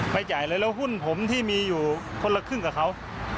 จ่ายเลยแล้วหุ้นผมที่มีอยู่คนละครึ่งกับเขา